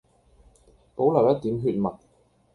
保留一點血脈